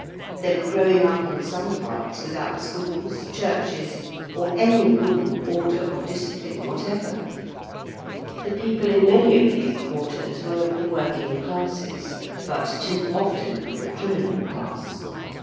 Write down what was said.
They were growing up in some parts without schools, churches, or any rule, order, or discipline whatever. The people in many of these quarters were of the working classes, but too often of the criminal class.